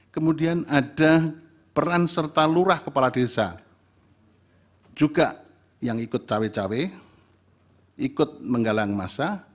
kemudian ada peran serta lurah kepala desa juga yang ikut cawe cawe ikut menggalang masa